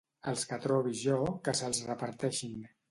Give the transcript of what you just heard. Els que trobi jo que se'ls reparteixin